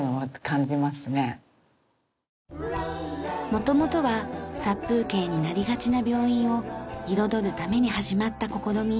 元々は殺風景になりがちな病院を彩るために始まった試み。